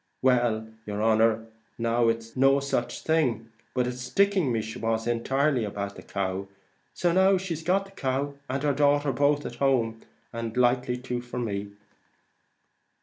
Well, yer honer, now it's no such thing, but it's sticking me she was entirely about, the cow: so now she got the cow and her daughter both at home; and likely to for me."